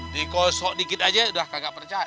dikosok dikit aja udah kagak percaya